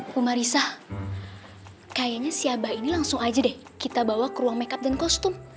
bu marisa kayaknya si abah ini langsung aja deh kita bawa ke ruang makeup dan kostum